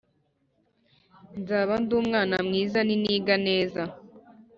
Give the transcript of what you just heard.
nzaba ndi umwana mwiza niniga neza